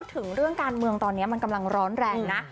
ถึงเรื่องการเมืองตอนนี้มันกำลังร้อนแรงนะ